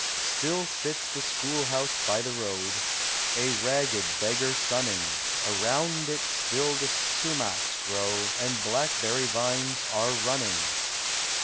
Still sits the school house by the road, A ragged beggar sunning; Around it still the sumachs grow, And blackberry vines are running.